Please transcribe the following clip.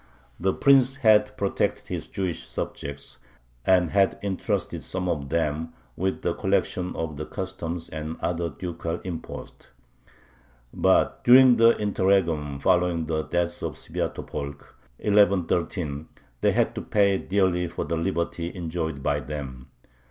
The Prince had protected his Jewish subjects, and had intrusted some of them with the collection of the customs and other ducal imposts. But during the interregnum following the death of Svyatopolk (1113) they had to pay dearly for the liberty enjoyed by them.